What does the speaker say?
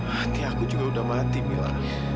hati aku juga udah mati mila